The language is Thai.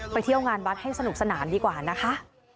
เที่ยวงานวัดให้สนุกสนานดีกว่านะคะ